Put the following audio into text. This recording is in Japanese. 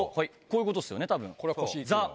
こういうことっすよね多分ザッ！